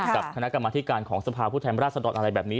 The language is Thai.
กับคณะกรรมธิการของสภาพผู้แทนราชดรอะไรแบบนี้